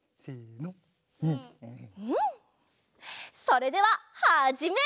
それでははじめ！